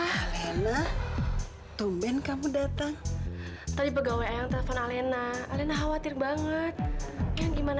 hai yang kenapa tumben kamu datang tadi pegawai yang telepon alena alena khawatir banget gimana